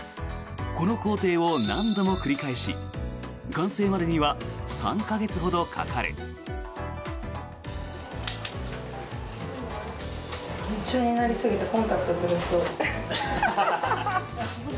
この工程を何度も繰り返し完成までには３か月ほどかかる。